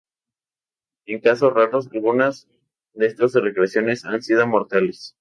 En casos raros algunas de estas reacciones han sido mortales.